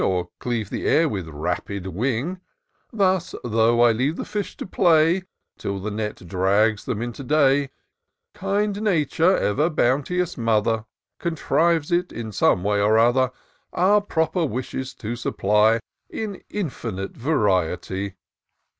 Or cleave the air with rapid wing ; Thus, though I leave the fish to play Till the net drags them into day ; Ejnd Nature, ever bounteous mother! Contrives it in some way or other. Our proper wishes to supply In infinite variety.